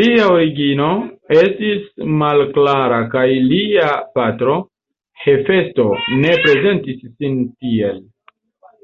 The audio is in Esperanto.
Lia origino estis malklara kaj lia patro Hefesto ne prezentis sin tiel.